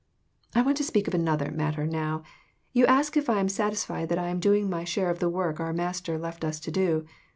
I want to speak of another matter now. You ask if I am satisfied that I am doing my share of the work our Master left us to do.